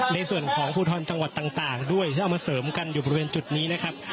ในส่วนของภูทรจังหวัดต่างด้วยที่เอามาเสริมกันอยู่บริเวณจุดนี้นะครับ